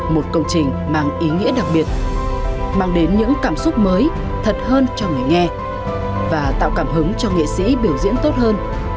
một công trình mang ý nghĩa đặc biệt mang đến những cảm xúc mới thật hơn cho người nghe và tạo cảm hứng cho nghệ sĩ biểu diễn tốt hơn